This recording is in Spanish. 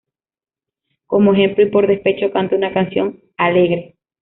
Como ejemplo y por despecho canta una canción alegre.